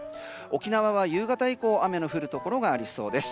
沖縄は夕方以降雨の降るところがありそうです。